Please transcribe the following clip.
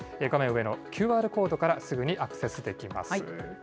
画面上のＱＲコードからすぐにアクセスできます。